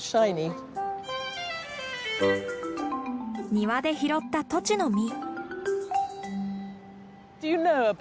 庭で拾ったトチの実。